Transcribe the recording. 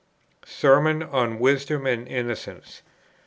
SERMON ON WISDOM AND INNOCENCE.